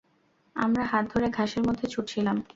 আমরা হাত ধরে ঘাসের মধ্যে ছুটছিলাম।